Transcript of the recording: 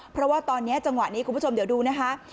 เพราะว่าตอนนี้จังหวะนี้คุณผู้ชมเดี๋ยวดูนะคะ